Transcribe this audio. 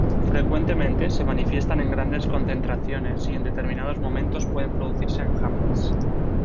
Frecuentemente se manifiestan en grandes concentraciones y en determinados momentos pueden producirse enjambres.